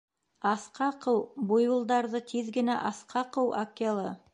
Аҫҡа ҡыу, буйволдарҙы тиҙ генә аҫҡа ҡыу, Акела!